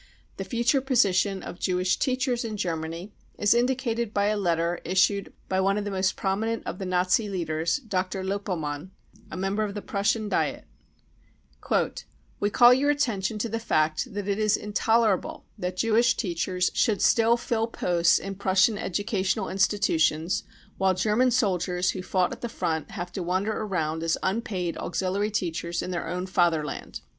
The THE PERSECUTION OF JEWS 269 future position of Jewish teachers in Germany is indi cated by a letter issued by one of the most prominent of the Nazi leaders, Dr. Lopelmann, a member of the Prussian Diet : We call your attention to the fact that it is intolerable that Jewish teachers should still fill posts in Prussian educational institutions, while German soldiers who fought at the front have to gander round as underpaid auxiliary teachers in their own Fatherland.